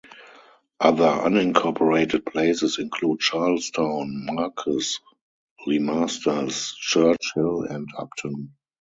Other unincorporated places include Charlestown, Markes, Lemasters, Church Hill, and Upton.